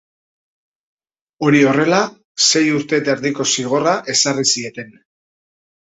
Hori horrela, sei urte eta erdiko zigorra ezarri zieten.